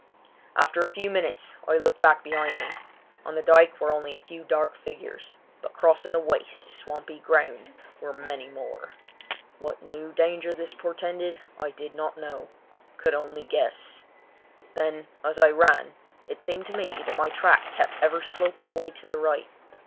After a few minutes I looked back behind me. On the dyke were only a few dark figures, but crossing the waste, swampy ground were many more. What new danger this portended I did not know—could only guess. Then as I ran it seemed to me that my track kept ever sloping away to the right.